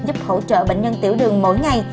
giúp hỗ trợ bệnh nhân tiểu đường mỗi ngày